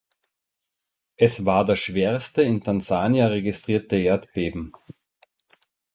Es war das schwerste in Tansania registrierte Erdbeben.